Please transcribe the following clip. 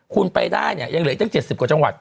คุณไปได้เนี่ยยังเหลืออีกตั้ง๗๐กว่าจังหวัด